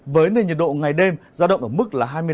với nơi nhiệt độ ngày đêm gia động ở mức là